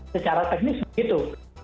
secara teknis begitu